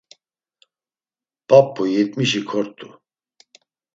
P̌ap̌u yetmişi kort̆u.